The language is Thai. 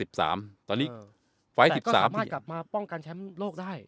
ฟ้ายตรง๑๓กลับมาป้องกันแช้งโลกได้